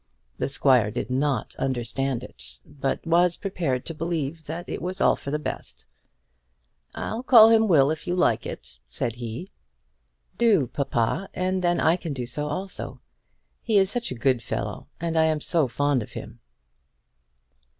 The squire did not understand it, but was prepared to believe that it was all for the best. "I'll call him Will, if you like it," said he. "Do, papa, and then I can do so also. He is such a good fellow, and I am so fond of him."